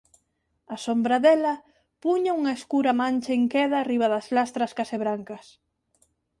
A sombra dela puña unha escura mancha inqueda riba das lastras case brancas.